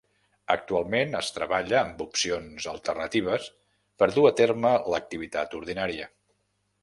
Actualment es treballa amb opcions alternatives per dur a terme l’activitat ordinària.